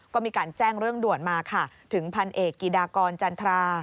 ก็มีการแจ้งเรื่องด่วนมาค่ะถึงพันเอกกิจดากรจันทรา